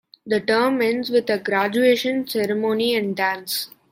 The term ends with a graduation ceremony and dance.